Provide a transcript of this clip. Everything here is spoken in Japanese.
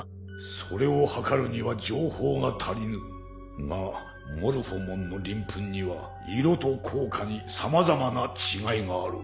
それをはかるには情報が足りぬ。がモルフォモンのりん粉には色と効果に様々な違いがある。